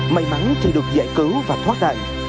may mắn chỉ được giải cứu và thoát đạn